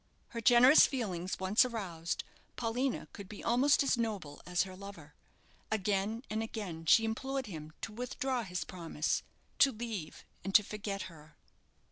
Her generous feelings once aroused, Paulina could be almost as noble as her lover. Again and again she implored him to withdraw his promise to leave, and to forget her.